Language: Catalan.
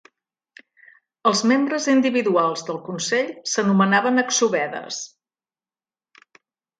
Els membres individuals del consell s'anomenaven Exovedes.